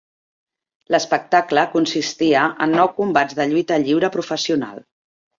L'espectacle consistia en nou combats de lluita lliure professional.